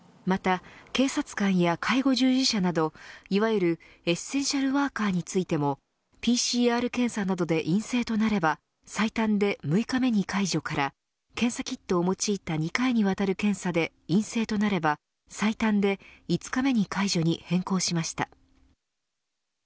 また、警察官や介護従事者などいわゆるエッセンシャルワーカーについてもＰＣＲ検査などで陰性となれば最短で６日目に解除から検査キットを用いた２回にわたる検査で陰性となれば最短で５日目に解除に変更しました。